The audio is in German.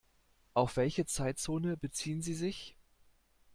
Auf welche Zeitzone beziehen Sie sich?